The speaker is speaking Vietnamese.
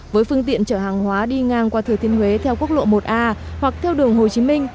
với phương tiện chở hàng hóa đi ngang qua thừa thiên huế theo quốc lộ một a hoặc theo đường hồ chí minh